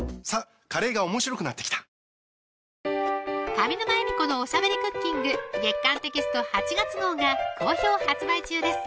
上沼恵美子のおしゃべりクッキング月刊テキスト８月号が好評発売中です